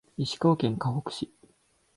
石川県かほく市